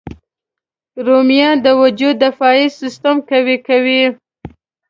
رومیان د وجود دفاعي سیسټم قوي کوي